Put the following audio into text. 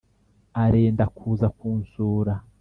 arenda kuza kunsura!